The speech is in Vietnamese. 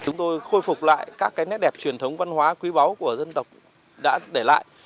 chúng tôi khôi phục lại các nét đẹp truyền thống văn hóa quý báu của dân tộc đã để lại